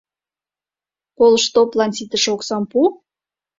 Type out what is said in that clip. — Полштоплан ситыше оксам пу?